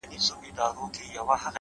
هوښیار انسان له وخت سره سم حرکت کوي’